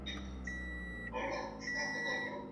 آیا تاسو خپل مسوولیت ادا کوئ؟